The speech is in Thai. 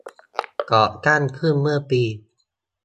ก่อตั้งขึ้นเมื่อปี